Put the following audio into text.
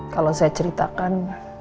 kalau saya ceritakan